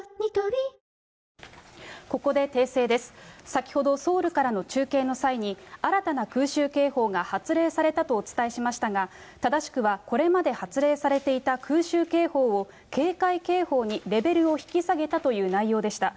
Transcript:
先ほど、ソウルからの中継の際に、新たな空襲警報が発令されたとお伝えしましたが、正しくは、これまで発令されていた空襲警報を、警戒警報にレベルを引き下げたという内容でした。